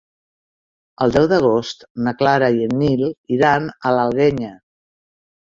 El deu d'agost na Clara i en Nil iran a l'Alguenya.